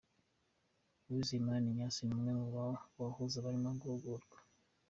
Uwizeyimana Ignace ni umwe muri aba bahuza barimo guhugurwa.